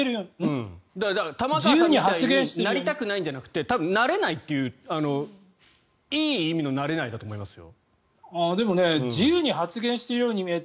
だから玉川さんみたいになりたくないんじゃなくて玉川さんみたいにはなれないといういい意味のなれないだと思いますよ。